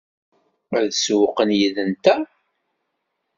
Ad sewwqen yid-nteɣ?